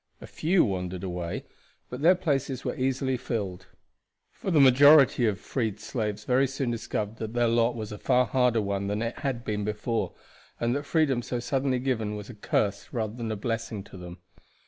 A few wandered away, but their places were easily filled; for the majority of the freed slaves very soon discovered that their lot was a far harder one than it had been before, and that freedom so suddenly given was a curse rather than a blessing to them.